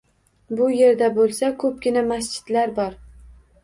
Bu yerda bo‘lsa, ko‘pgina masjidlar bor.